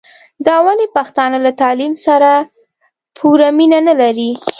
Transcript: دا ولي پښتانه له تعليم سره پوره مينه نلري